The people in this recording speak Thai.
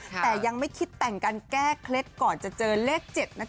แต่ยังไม่คิดแต่งกันแก้เคล็ดก่อนจะเจอเลข๗นะจ